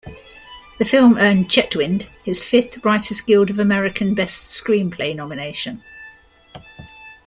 The film earned Chetwynd his fifth Writers Guild of American "Best Screenplay" nomination.